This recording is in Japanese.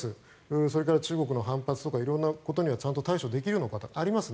それから中国の反発とか色んなことにはちゃんと対処できるのかとかありますね。